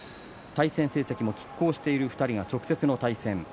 対戦成績もきっ抗している２人が直接の対戦。